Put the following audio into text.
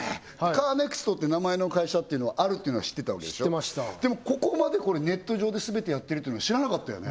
カーネクストって名前の会社っていうのはあるっていうのは知ってたわけでしょでもここまでネット上ですべてやってるっていうのは知らなかったよね？